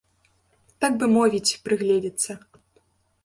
Так бы мовіць, прыгледзіцца.